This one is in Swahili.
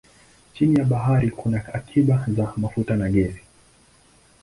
Chini ya bahari kuna akiba za mafuta na gesi.